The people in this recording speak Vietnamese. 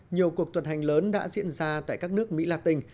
nhiều cuộc tuần hành lớn đã diễn ra tại các nước mỹ latin